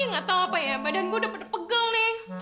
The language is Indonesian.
ini gak tau apa ya badan gue udah pada pegel nih